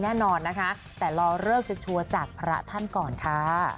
แน่นอนนะคะแต่รอเลิกชัวร์จากพระท่านก่อนค่ะ